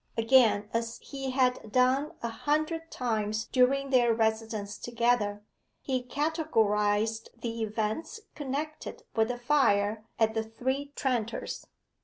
Again, as he had done a hundred times during their residence together, he categorized the events connected with the fire at the Three Tranters.